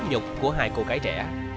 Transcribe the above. nhục của hai cô gái trẻ